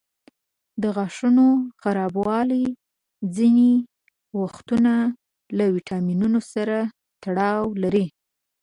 د غاښونو خرابوالی ځینې وختونه له ویټامینونو سره تړاو لري.